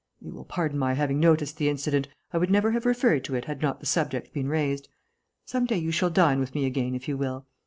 You will pardon my having noticed the incident. I would never have referred to it had not the subject been raised. Some day you shall dine with me again, if you will....